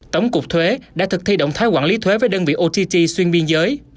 tổng cục thuế đã thực thi động thái quản lý thuế với đơn vị ott xuyên biên giới